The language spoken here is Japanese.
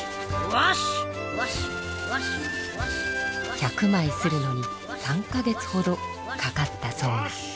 １００まい刷るのに３か月ほどかかったそうな。